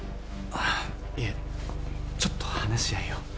あっいえちょっと話し合いを。